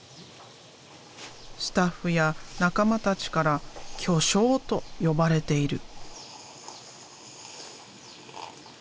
スタッフや仲間たちから「巨匠」と呼ばれている。